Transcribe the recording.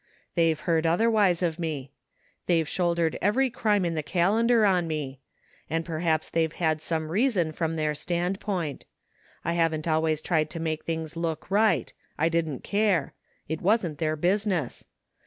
They've heard otherwise of me. They've shouldered every crime in the calendar on me. And perhaps they've had some reason from their standpoint. I haven't always tried to make things look right. I didn't care. It wasn't their business.